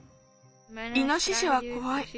イノシシはこわい。